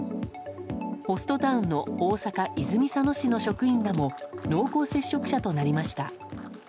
ホストタウンの大阪・泉佐野市の職員らも濃厚接触者となりました。